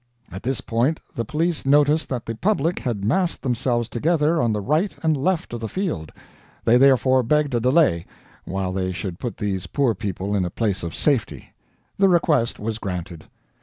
At this point the police noticed that the public had massed themselves together on the right and left of the field; they therefore begged a delay, while they should put these poor people in a place of safety. The request was granted.